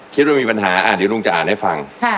คิดว่ามีปัญหาเดี๋ยวลุงจะอ่านให้ฟัง